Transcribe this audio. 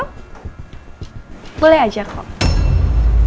tapi kalau misalkan kalian mau ajak ngobrol